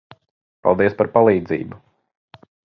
Paldies par palīdzību.